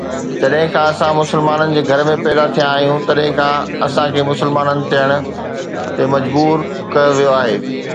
جڏهن کان اسان مسلمانن جي گهر ۾ پيدا ٿيا آهيون، تڏهن کان اسان کي مسلمان ٿيڻ تي مجبور ڪيو ويو آهي